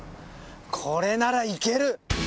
これなら行ける！